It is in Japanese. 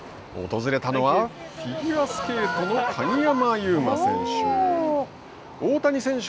訪れたのはフィギュアスケートの鍵山優真選手。